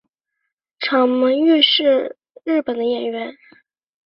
长门裕之是日本的演员。